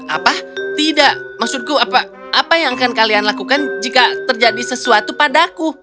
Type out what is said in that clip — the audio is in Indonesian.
apa tidak maksudku apa apa yang akan kalian lakukan jika terjadi sesuatu padaku